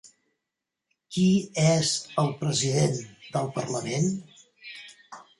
Qui és el president del parlament?